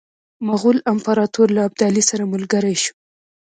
مغول امپراطور له ابدالي سره ملګری شو.